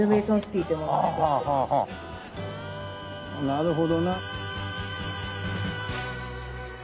なるほどな。